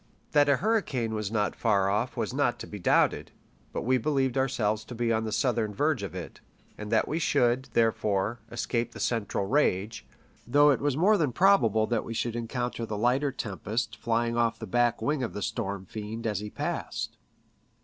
That a hurricane was not far off was not to be doubted ; but we believed ourselves to be on the southern verge of it, and that we should, therefore, escape the central rage, though it was more than probable that we should encounter the lighter tempest flying off the black wing of the storm fiend as he passed.